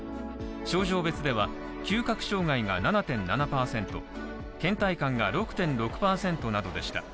症状別では、嗅覚障害が７．７％、倦怠感が６．６％などでした。